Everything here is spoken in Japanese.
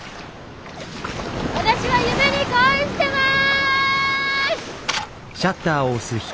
私は夢に恋してます。